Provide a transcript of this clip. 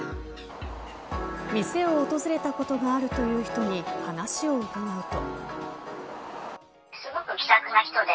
店を訪れたことがあるという人に話を伺うと。